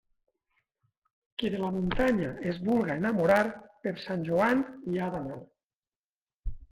Qui de la muntanya es vulga enamorar, per Sant Joan hi ha d'anar.